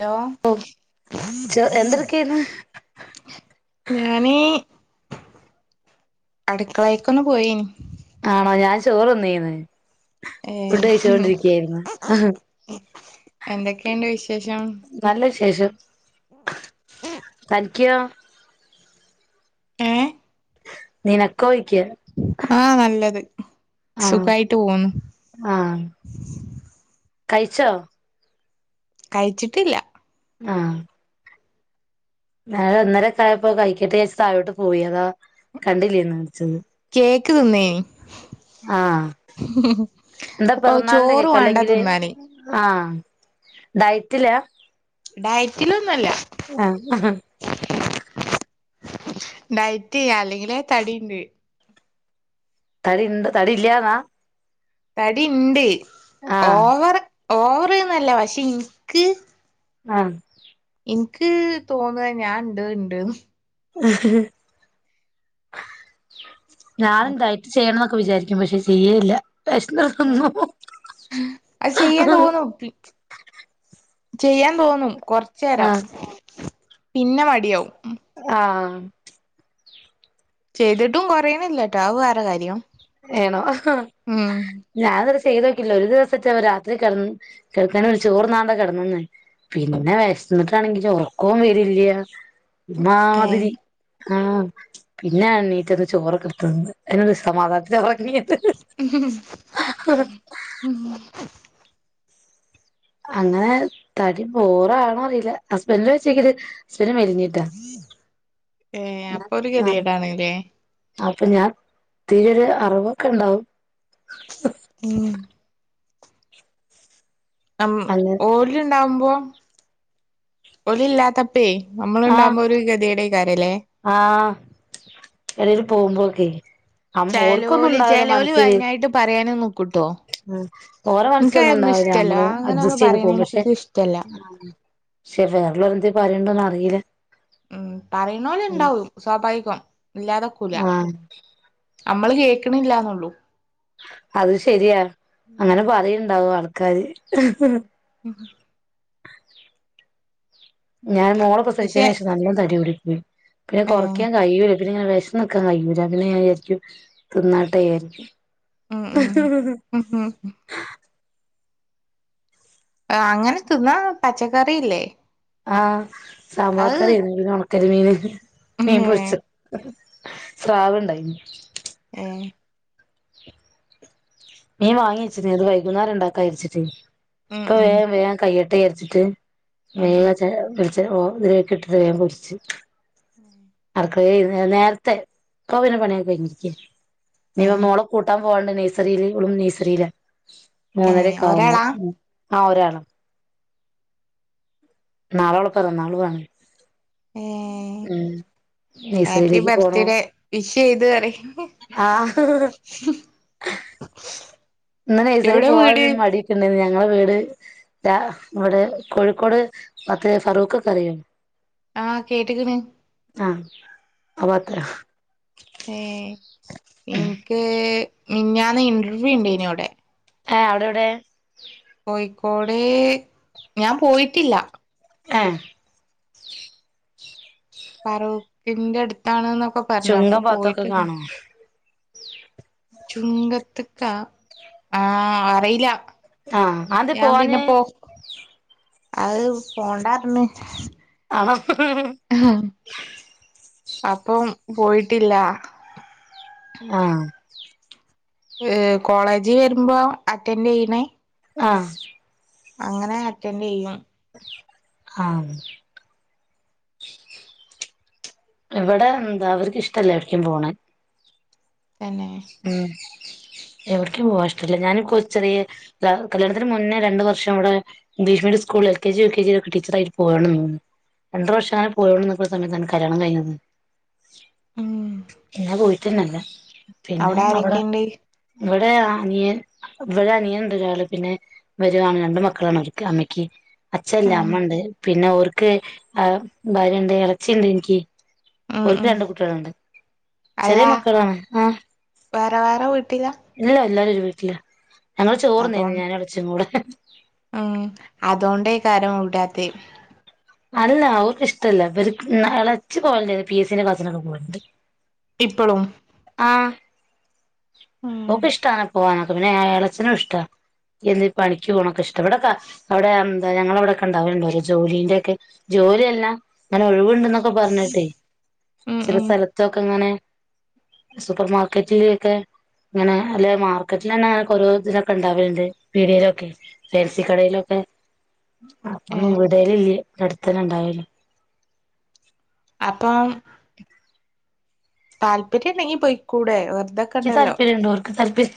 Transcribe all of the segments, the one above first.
Hello ഓ ചോ എന്തെടുക്കായിരുന്നു ഞാനീ അടുക്കളേക്കൊന്ന് പോയീനി ആണോ ഞാൻ ചോറ് തിന്നീന്ന്. ഏയ് എന്തൊക്കെയുണ്ട് വിശേഷം? നല്ല വിശേഷം. തനിക്കോ? ഏഹ് നിനക്കോയ്ക്കാ ആഹ് നല്ലത്. ആഹ് സുഖായിട്ട് പോകുന്നു. ആഹ് കഴിച്ചോ? കഴിച്ചിട്ടില്ല. ആഹ് ഞാൻ ഒന്നരക്കായപ്പോ കഴിക്കട്ടേ വിചാരിച്ച് താഴോട്ട് പോയി. അതാ കണ്ടില്ലേർന്ന് വിളിച്ചത്. കേക്ക് തിന്നേനി. ആഹ് എന്താ അപ്പൊ പിറന്നാളിന്റെ ചോറ് കേക്കോ. വേണ്ട അല്ലെങ്കില് തിന്നാന് ആഹ്. ഡയറ്റിലാ? ഡയറ്റിലൊന്നും അല്ല. ആഹ് ഡയറ്റ് ചെയ്യാ. അല്ലെങ്കിലേ തടിയുണ്ട്. തടിയുണ്ട്. തടി ഇല്ലാന്നാ. തടി ഉണ്ട്. ആഹ് ഓവർ ഓവർ ഒന്നും അല്ല. പക്ഷെ എനിക്ക് ആഹ് എനിക്ക് തോന്നുവേ ഞാൻ ഉണ്ട് ഉണ്ട് എന്ന്. ഞാൻ ഡയറ്റ്ചെയ്യണം എന്നൊക്കെ വിചാരി ക്കും. പക്ഷെ ചെയ്യലില്ല. അത് ചെയ്യാൻ തോന്നും. ചെയ്യാൻ തോന്നും കൊറച്ച നേേരം ആഹ് പിന്നെ മടിയവും ആ ചെയ്തിട്ടും കുറയണില്ലട്ടോ ആ വേറെ കാര്യം ഏനോ ഉം ഞാനൻ ത ചെയ്ത്തോക്കില്ല ഒരു ദിവസത്തെ അവ രാത്രി കടന്ന കിടക്കാന ഒരു ചോറ് നാണ്ട കിന്നെ പിന്നെ വശന്നിട്ടാണെങ്കിൽ ഓർക്കവും വരില്ല ഏ മാതിരി ആഹ പിന്നെണ്ണീറ്റ ഒന്ന് ചോറ്ൊ കെത്തുന്നത് അതിനൊ സമാധാനത്തി ഉറങ്ങിത് മ് അങ്ങനെ തടി പോോറാണോ അറിയില്ല ഹസ്ബൻഡില് വെച്ചേക്കല് ഹസ്ബന് മെലിഞ്ഞി് ഏ അപ്പൊ ഒരു ഗതി ആഹ് കേടാണല്ലേ അപ്പൊ ഞാൻ തീരെൊ ഒരു അറിവൊക്കെ ഉണ്ടാവും മ് അങ്ങനെ ഒല ഉണ്ടാവുമ്പോ ഒല ഇില്ലാത്ത അപ്പേ നമ്മളുണ്ടാവുമ്പോ ഒരു ഗതിയുടെയും കാര്യം അല്ലേ ആഹ ഇടൽ പോകുമ്പോൊക്കെ ചലോലി ചലോലി അതിനനായിട്ട് പറയാനും നോക്കൂട്ടോ ആ ഓരോ മനസ്സിലൊന്നും ഉണ്ടാവില്ല നമ്മള് അങ്ങനെ ഒന്നും അഡ്ജസ്റ്റ് ചെയ്ത് പറയണ പോകും പക്ഷെ എനിക്ക് ഇഷ്ടല്ല പക്ഷെ വേറെളവരെ എന്തും പറയണ്ടന്ന് അറിയില്ല ഉം പറയുന്നല ഉണ്ടാവും സ്വാഭാവികം ഇല്ലാതക്കൂല ആഹ് നമ്മള് കേൾക്കണില്ലന്നുള്ളൂ അത് ശരിയാ അങ്ങനെ പറയണ്ടാവും ആൾക്കാാര് മ് ഞാൻ മോളെ പക്ഷെ പ്രസവിച്ചതിനന് ശേഷം നല്ല തടി കുടിക്ക പിന്നെ ഏഹ് കുറയ്ക്കാൻ കഴിയൂല്ല പിന്നെ ഇങ്ങനെ വിശക്കാൻ കഴിയൂല്ല പിന്നൊയിരിക്കും തിുന്നാട്ട ആായിരിക്കും ആ ആ മ് അങ്ങനെ തിന്നാ പച്ചക്കറില്ലേ ആഹ സാമ്പാർ കറിിയന്ന പിന്നെ ഉണക്കരി മീന് മീൻ ഏ പൊരിച്ച സ്രാവണ്ടായിന് ഏഹ് മീൻ വാങ്ങിച്ചിനീ അത് വൈകുന്നേരം ഉണ്ടാക്കാ ഇരിച്ചിട്ട് ഉം ഇപ്പ വേ ഉം വേഗം കയ്യട്ടെ ആരിച്ചിട്ട് ഉം ഉം ട്ട് വേഗ പി ഓ ഇതിലൊക്കെ ഇട്ടി തേൻ പൊരിച്ച് ആർക്ക നേരത്തെ കോവിന പണിയ കഴിഞ്ഞിരിക്ക ഏ ഇീവ മോള കൂട്ടാം പോണ്ട നഴ്സറിൽ ഉളും നഴ്സറിയില ഏ മൂന്നരൊക്കെ ആാവുമ്പോ ഒരാളാ ആഹ് ഒരാള നാളെോള പിറ നാളു വണ ഏ ഉം ഹാപ്പി നഴ്സറിയിലേക്ക് ബർത്ത് പോണോ ഡേ വിഷ് ചെയ്ത് പറി ആ [unintelligible] [unintelligible] ഇന്നനെ നൈർസരി പോകാനൊരു മടിയക്ക ഉണ്ടന്ന് ഞങ്ങളെ വീട് ഇവിടെ കോഴിക്കോട് മറ്റേ ഫറൂഖ് കറിയോ ആഹ് കേട്ടക്കണ ആഹ് അവത്ര ഏഹ് എനിക്ക് ഞാന്ന് ഇന്റർവ്യൂ ഉണ്ട് ഇതിനോടെ ആഹ് അവിടെ എവിടെ കോഴിക്കോട് ഞാൻ പോയിട്ടില്ല ഏഹ് ഫറവക്കിന്റെ അടുത്താണ്ന്നൊക്കെ പറഞ്ഞു അപ്പൊ ചുങ്കം ഭാഗത്തൊക്കെ പോയിട്ട കാണോ ചുങ്കത്തക്ക ആഹ് അറിയില്ല ആഹ് അത് ഞാൻ പിന്നെ പോവാന് പോ അത് പോണ്ടാ പറഞ്ഞ് ആണോ [unintelligible] [unintelligible] അപ്പം പോയിട്ടില്ല ആഹ് ഏഹ് കോളേജി വരുമ്പോ അറ്റൻഡ് യ്യണേ ആഹ് അങ്ങനെ അറ്റൻഡ് യ്യും ആഹ് ഇവിടെ എന്താ അവർക്ക് ഇഷ്ടല്ല എവടേക്കും പോണെ തന്നെ ഉം എവിടക്കും പോവാ ഇഷ്ടല്ല ഞാനക്കൊച്ചെറിയ ഞാൻ കല്യാണത്തിന് മുന്നേ രണ്ടു വർഷം ഇവടെ ഇഗ്ലിഷ് മീഡിയ സ്കൂളില് L K G, U K G ഒക്ക ടീച്ചർ ആയി പോണം രണ്ടു വർഷങ്ങനെ പോണന്നക്കുന്ന സമയത്താണ് കല്ലാണം കഴിഞ്ഞത് ഉം പിന്നാ പോയിട്ടന്നല്ല പിന്നെ അവിടെ അവടെ ആരൊക്കെയുണ്ട് ഇവടെ അനിയൻ ഇവടെ അനിയനുണ്ടൊരാള് പിന്നെ വരികാണ് രണ്ട് മക്കളാണ് ഇവര്ക്ക് അമ്മയ്ക്ക് അച്ഛല്ല ഉം അമ്മ ഉണ്ട് പിന്നെ ഓർക്ക് ആഹ് ഭര്യയുണ്ട് ഇറച്ചിണ്ട് എനിക്ക് ഉം ഉം ഓരണ്ട് കുട്ടികളുണ്ട് അല്ല ചെറിയ മക്കളാണ് ആഹ് വേറെ വേറെ വീട്ടില ല്ലഎല്ലാരും ഒരു വീട്ടിലാ ഞങ്ങള് അതോ ചോർന്നേന്ന് ഞാനടച്ചും കൂടെ ഉം അതൊണ്ടേ കാര്യം ഇവിടാത്തെ അല്ല അവർക്ക് ഇഷ്ടല്ല അവര്ക്ക്ന്ന ഇളച്ചു പോണ്ട പി എസിന്റെ ക്ലാസ്സിനൊക്കെ പോയിണ്ട് ഇപ്പളും ആഹ് ഉം ഓക്കിഷ്ടാണ് പോവാനൊക്കെ പിന്നെ ഇളയച്ചനും ഇഷ്ടാ എന്നീ പണിക്ക് പോണൊക്കെ ഇഷ്ടാ ഇവടെക്ക അവിടെ എന്ത ഞങ്ങളവിടെക്കണ്ടാവലുണ്ടോ ഒരു ജോലീന്റെക്കെ ജോലിയല്ല അങ്ങനെ ഒഴിവുണ്ടന്നൊക്കെ പറഞ്ഞിട്ടെ ഉം ചില ഉം സ്ഥല തൊക്കെങ്ങനെ സൂപ്പർ മാർക്കറ്റിലൊക്കെ ഇങ്ങനെ അല്ല മാർക്കറ്റിൽ തന്നെ ഓരോ ഇതിലൊക്കെ ഉണ്ടാവലുണ്ട് പീടികയിലൊക്കെ ജേഴ്‌സിക്കടയിലൊക്കെ അപ്പൊന്നും ഏഹ് ഇവടേലില്ല അടുത്തന്നെ ഉണ്ടായല്ല അപ്പം താല്പര്യണ്ടെങ്കി പൊയ്ക്കൂടെ വെർതെ ക്കി താല്പര്യണ്ട് ഓർക്ക് താല്പര്യ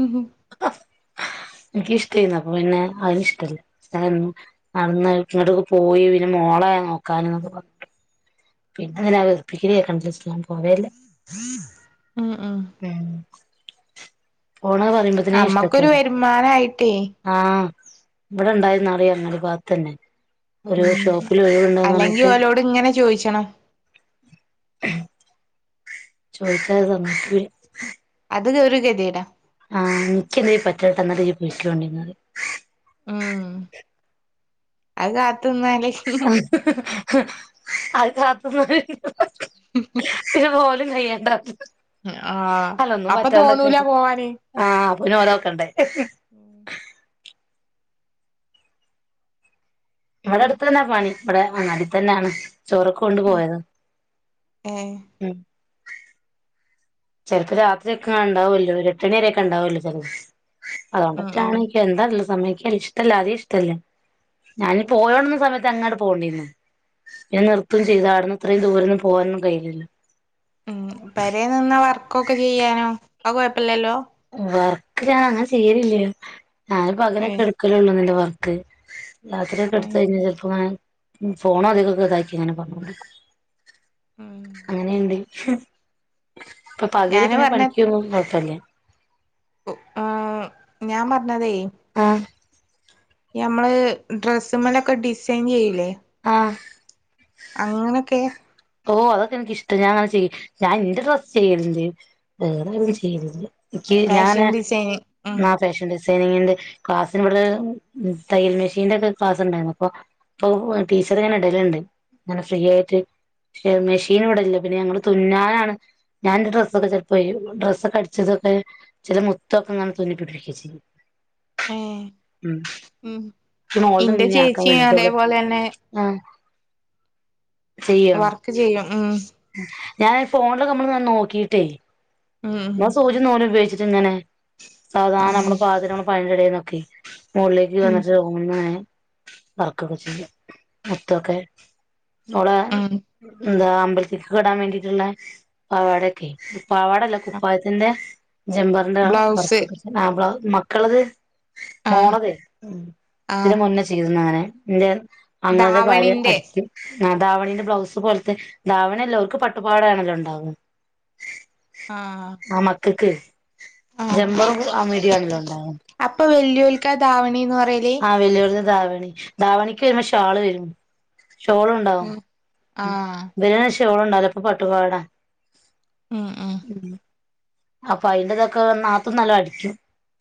ഹ് ഹും ഇൻക്ക് ഇഷ്ടേന്നു അപ്പൊ പിന്നെ അവന് ഇഷ്ടല്ല ഞാനും അന്ന് ഇങ്ങട്ടേക്ക് പോയി വെരും മോളെ നോക്കാനാന്നൊക്കെ പർഞ്ഞ് പിന്നങ്ങനെ വെർപ്പിക്കല് കേക്കണ്ട ച്ച്ട്ട് ഞാൻ പോവേല്ല ഉം പോണ പറിമ്പ ത്ത്നേ അമ്മക്കൊരു ഇഷ്ടക്കേടാ. വരുമാനായിട്ടേ ആഹ് ഇവടെണ്ടായുന്നറിയ അങ്ങടി പാത്തന്നെ ഒരു ഷോപ്പ്ല് ഒഴിവണ്ടന്ന് പർഞ്ഞ്ട്ട് ഇവടങ്ങനെ ചോയിച്ചണം? ചോയിച്ചാ അത് സമ്മതിക്കൂലേ. അത്ഗ് ഒരു ഗതിടാ ആഹ് ഇൻക്കന്തേലും പറ്റാത്തന്നത് പൊയ്ക്കൊണ്ടി ന്നറിം. ഉം അഹ് കാത്ത്ന്നാല് അഹ് കാത്ത് ന്നാല് [inaudible] ഇതുപോലും ചെയ്യണ്ട ആഹ് അപ്പ തോന്നൂല പോവാന്. ആഹ് പുനാലോക്കണ്ടേ ഉം ഇവടട്ത്തന്നെ പണി ഇവടെ അങ്ങാടിത്തന്നാണ് ചോറ് കൊ കൊണ്ടു പോയത ഏ ഉം ചേലപ്പോ രാത്രിയക്കെണ്ടാവുല്ലോ ഒരു എട്ട് ണി വരേ ക്കെ ണ്ടാവല്ലോ ചെലേത്. അതോണ്ട ഉം ഉം ക്കാണ് എന്താ ല്ല് സമ്മയ്ക്കേ ടല്ല ആദ്യേ ഇഷ്ടല്ല ഞാന് പ്പൊ പോയോട്ന്ന് സമയത്ത് അങ്ങണ്ട് പോണ്ടിര്ന്നു. ഞാൻ നിർതേം ചെയ്താരുന്ന് ഇത്രേം ദൂരൊന്നും പോകാനും കയ്യ്ണ്ല്ലാ. ഉം പെരേ നിന്ന വർക്കൊക്കെ ചെയ്യാനോ അഹ് കൊഴപ്പല്ലല്ലോ? വർക്ക് ഞാ അങ്ങനെ ചെയ്യലില്ല ഞാൻ പകലൊക്കെ ഏഹ് എടുക്കലള്ളൂന്നല്ലോ വർക്ക് രാത്രിയാണ്ട് എട്ത്ത് കഴിഞ്ഞാ ചെൽപ്പോ ഫോണോ [unintelligible] താക്കി ഇങ്ങനെ പറഞ്ഞോണ്ട്ക്കും. അങ്ങനെ ണ്ട് പ്പ പകല് ഞാന് പിന്നെ പറഞ്ഞ പണിക്ക് വും കൊഴപ്പല്ല. ആഹ് ഞാൻ പറഞ്ഞതേ ആഹ് ഞമ്മള് ഡ്രസ്സ് മലക്കെ ഡിസൈൻ യ്യ്ലേ? ആഹ് അങ്ങനെയൊക്കെ ഓ അതൊക്കെ ൻക്ക് ഇഷ്ട ഞാ ചെയ്യ ഞാൻ ന്റെ ഡ്രസ്സ് ചെയ്യല്ണ്ട് വേറെ [unintelligible] ചെയ്യല് ല്ല. ക്കി ഞാന് ഫാഷൻ ഡിസൈന് ഉം ന്ന ഫേഷൻ ഡി ട്രെയിനിങ്ങിന്റെ ക്ലാസ്സ്ന് ഇവട് ന്ന് തയ്യൽ മെഷീന്റെ ഒക്കെ ക്ലാസ് ണ്ടായിരുന്നു അപ്പൊ പ്പൊ ടീച്ചർ ഇങ്ങനെ ഇടല്ണ്ട് ങ്ങനെ ഫ്രീ ആയിട്ട്. ക്ഷെ മെഷീൻ ഇവിടെല്ല പിന്നെ ഞങ്ങള് തുന്നാനാണ് ഞാൻന്റെ ഡ്രസ്സക്കെ ചെൽപ്പേ ഡ്രസ്സക്കെ അടിച്ചതൊക്കെ ചെല മുത്തൊക്കെങ്ങനെ തുന്നി പിടിപ്പിക്ക ചെയ്യും. ഏഹ് ഉം ഉം പിന്നെ ഓള്തെണ്ട് ഇന്റെ ഞ്ഞ് ആക്കാൻ ചേച്ചി [unintelligible] ഓള് അതേപോലെ തന്നെ ആഹ് പ്പ വർക്ക് ചെയ്യോ? ആഹ് ഞാൻ ഫോൺലൊക്കെ നമ്മൾ നോക്കിട്ടേ ഉം സൂചിം നൂലും ഉപയോഗിച്ചിട്ട് ഇങ്ങനെ സാധാരണ ആഹ് നമ്മള് ഉം [unintelligible] ക്കെ [unintelligible] വർക്കൊക്കെ ചെയ്യും മുത്തൊക്കെ [unintelligible] ഉം ന്താ അമ്പൽ ത്തില് ഇടാൻ വേണ്ടിട്ട് ള്ളേ പാവാടൊക്കെ പാവാടല്ല കുപ്പായത്തിന്റെ ജമ്പ എന്താ ബ്ലൗസ് വർക്കൊ ആ ബ്ലൗ മക്കളത് ആഹ് മോളത് ഇതിന് ആഹ് മുന്നേ ചെയ്ത്ണ് അങ്ങനെ ഇന്റെ അങ്ങനെത്തെ കാര്യം ധാവണിന്റെ അടിക്കും ആ ധാവണീന്റെ ബ്ലൗസ് പോലത്തെ ധാവണി അല്ല ഓല്ക്ക്‌ പട്ടുപാവാട ആണല്ലോ ഉണ്ടാവുക ആഹ ആ മക്കക്ക് ജമ്പറും ആ മിടിം ആണല്ലോ ഇണ്ടാവ അപ്പൊ വല്ല്യോല്ക്കാ ധാവണീ എന്ന് പറ ആഹ വല്ല്യോര്ത് ധാവണി ധാവണിക്ക് വരുമ്പോ ഷാള് വരും ഷോളും ഉണ്ടാവും ഉം ആഹ് ഇവരെതിന് ഷോൾ ഉണ്ടാവൂല്ലാ അപ്പൊ പട്ടുപാവാട ഉം അപ്പൊ അയിന്റെതൊക്കെ നാത്തുൻ നല്ലം അടിക്കും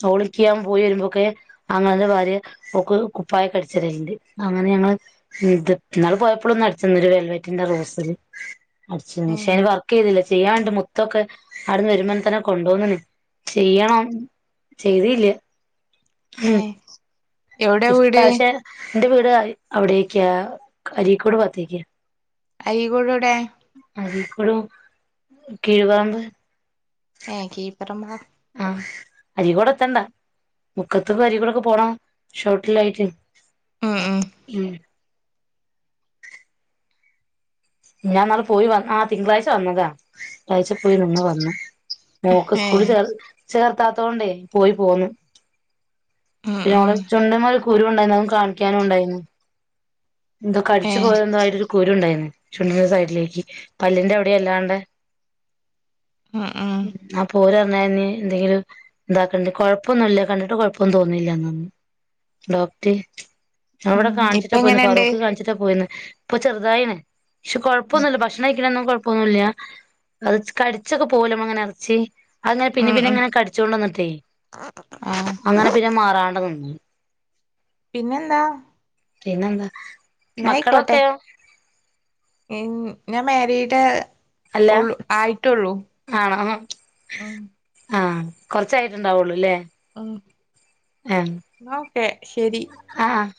ഓള് ഇന്കി ഞാൻ പോയി വരുമ്പോക്കെ ആങ്ങളേന്റെ ഭാര്യ ഓൾക്ക് കുപ്പായം ഒക്കെ അടിച്ച് തെരല് ഇണ്ട് അങ്ങനെ ഞങ്ങള് ഇന്നാള് പോയപ്പൊളും ഒന്ന് അടിച്ച് തന്ന് ഒരു വെൽവെറ്റിന്റെ റോസ് അടിച്ചന്ന് പക്ഷെ ഏഹ് അയിന് വർക്ക് ചെയ്തില്ല ചെയ്യാണ്ട് മുത്തൊക്കെ അവിടുന്ന് വരുമ്പോ തന്നെ കൊണ്ടോന്ന്ണ് ചെയ്യണം ചെയ്തില്ല ഏഹ് എവിടെയാ ഇഷ്ട വീട് പക്ഷെ എന്റെ വീട് അവിടേക്കാ അരീക്കോട് ഭാത്തേക്കാ അരീക്കോട് എവിടെ അരികോട് കീഴ്‌ പറമ്പ് ഏഹ് കീഴ്‌പറമ്പാ ആഹ അരീക്കോടെത്തണ്ട മുക്കത്തിന്ന് അരിക്കൂടെ ഒക്കെ പോണ ഷോട്ടിലായിട്ട് ഉം ഞാൻ ഇന്നാള് പോയി വന്ന ആഹ് തിങ്കളാഴ്ച വന്നതാ തിങ്കളാഴ്ച പോയി നിന്ന് വന്ന് മോക്ക് സ്കൂളി ഏഹ് ചേർ ചേർത്താത്തോണ്ടേ പോയി പോന്നു ഉം പിന്നെ ഉം ഓളെ ചുണ്ട്മ്മെ ഒരു കുരു ഉണ്ടായിര്ന്നു അതും കാണിക്കാനും ഇണ്ടായിരുന്നു എന്തോ കടിച്ചു ഏഹ് പോയെന്തോ ആയിട്ടൊരു കുരു ഇണ്ടേന്ന് ചുണ്ടിന്റെ സൈഡിലേക്ക് പല്ലിന്റെ അവിടേം അല്ലാണ്ടെ ഉം ഉം അപ്പൊ ഓരറിഞ്ഞ് അയിനി എന്തെങ്കിലും ഇന്താക്കണ്ടെ കൊഴപ്പമൊന്നും ഇല്ല കണ്ടിട്ട് കുഴപ്പൊന്നും തോന്ന്ണില്ല പറഞ്ഞ് ഡോക്ടർ ഞാൻ ഉം ഇവിടെ ഇപ്പ കാണിച്ചിട്ടാ പോയിന്ന് എങ്ങനെണ്ട് ഫറൂഖ് കാണിച്ചിട്ടാ പോയിന്ന് ഇപ്പൊ ചെറുതായിണ് പക്ഷെ കുഴപ്പൊന്നുമില്ല ഭക്ഷണം കഴിക്കണെനൊന്നും കുഴപ്പൊന്നുമില്ല അത് കടിച്ചൊക്കെ പോവുലെ നമ്മ ഇങ്ങനെ ഇറച്ചി അത്‌ ഇങ്ങനെ പിന്നെം ഉം പിന്നെം ഉം ഇങ്ങനെ കടിച്ചോണ്ട് നിന്നിട്ടേ ആഹ് അങ്ങനെ പിന്നെ മാറാണ്ട് നിന്നു പിന്നെന്താ പിന്നെന്താ എന്നാ ആയിക്കോട്ടെ മക്കളൊക്കെയൊ ഞാൻ മാരീഡ് അല്ല ഒള്ളു ആയിട്ടുള്ളൂ ആണോ ഉം ആഹ് കൊറച്ചായിട്ട് ഉണ്ടാവുള്ളൂല്ലേ ഉം ഇന്നാ ഓക്കെ ശെരി ആഹ്